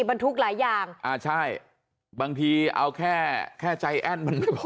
บรรทุกหลายอย่างอ่าใช่บางทีเอาแค่แค่ใจแอ้นมันไม่พอ